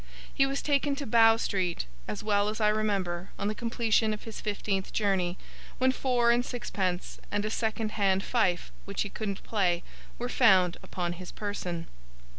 He was taken to Bow Street, as well as I remember, on the completion of his fifteenth journey; when four and sixpence, and a second hand fife which he couldn't play, were found upon his person.